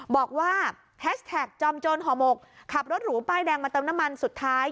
บอกว่าแฮชแท็กจอมโจรห่อหมกขับรถหรูป้ายแดงมาเติมน้ำมันสุดท้าย